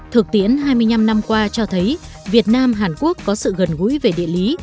thực tiễn hai mươi năm năm qua cho thấy việt nam hàn quốc có sự gần gũi về địa lý